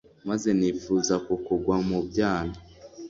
Maze nifuza kukugwa mu byano